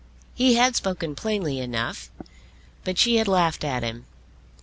He had spoken plainly enough. But she had laughed at him.